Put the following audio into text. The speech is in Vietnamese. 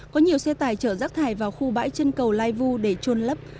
có nhiều xe tải chở rác thải vào khu bãi chân cầu lai vu để trôn lấp